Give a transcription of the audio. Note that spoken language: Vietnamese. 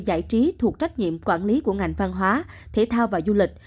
giải trí thuộc trách nhiệm quản lý của ngành văn hóa thể thao và du lịch